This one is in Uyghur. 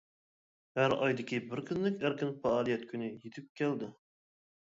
ھەر ئايدىكى بىر كۈنلۈك ئەركىن پائالىيەت كۈنى يىتىپ كەلدى.